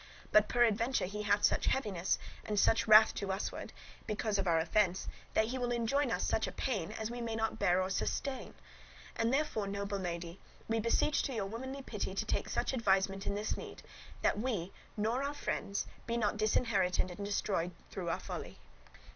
But peradventure he hath such heaviness and such wrath to usward, [towards us] because of our offence, that he will enjoin us such a pain [penalty] as we may not bear nor sustain; and therefore, noble lady, we beseech to your womanly pity to take such advisement [consideration] in this need, that we, nor our friends, be not disinherited and destroyed through our folly."